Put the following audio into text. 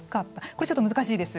これ、ちょっと難しいです。